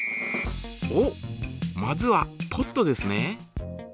おっまずはポットですね。